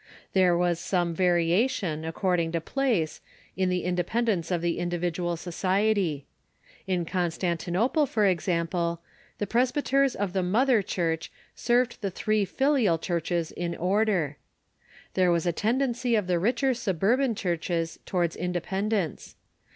There was some variation, according to place, in the independence of the indi vidual society. In Constantinople, for example, the presbyters of the mother Church served the three filial churches in order. There was a tendency of the richer suburban churches towards independence.